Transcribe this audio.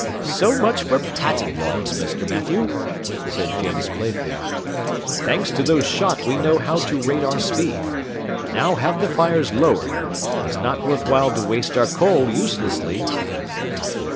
"So much for patent logs, Mr. Mathew," said James Playfair; "thanks to those shot we know how to rate our speed. Now have the fires lowered; it is not worth while to waste our coal uselessly."